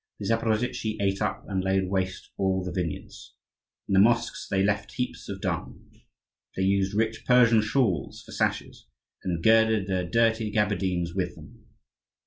The Zaporozhtzi ate up and laid waste all the vineyards. In the mosques they left heaps of dung. They used rich Persian shawls for sashes, and girded their dirty gaberdines with them.